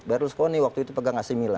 berlusconi waktu itu pegang asimila